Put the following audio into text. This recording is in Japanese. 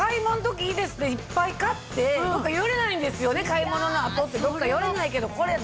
買い物の後ってどっか寄れないけど。